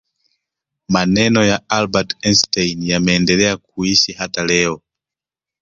maneno ya albert einstein yameendelea kuishi hata leo